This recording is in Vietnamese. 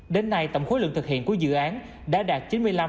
đến nay tổng khối lượng thực hiện của dự án đã đạt chín mươi năm ba mươi chín